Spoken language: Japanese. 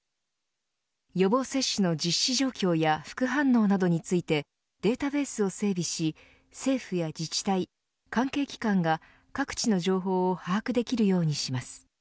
予防接種の実施状況や副反応などについてデータベースを整備し政府や自治体、関係機関が各地の情報を把握できるようにします。